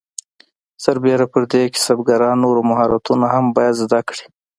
سربیره پر دې کسبګران نور مهارتونه هم باید زده کړي.